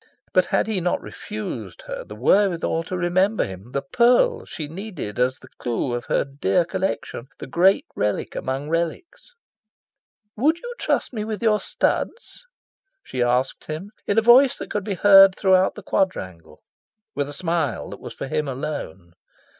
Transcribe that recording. But had he not refused her the wherewithal to remember him the pearls she needed as the clou of her dear collection, the great relic among relics? "Would you trust me with your studs?" she asked him, in a voice that could be heard throughout the quadrangle, with a smile that was for him alone.